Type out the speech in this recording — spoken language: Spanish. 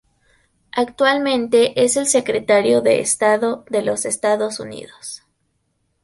Actualmente es el Secretario de Estado de los Estados Unidos.